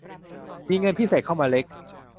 มีเงินพิเศษเข้ามาเล็ก